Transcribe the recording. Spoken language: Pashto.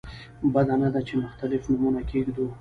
بده نه ده چې مختلف نومونه کېږدو.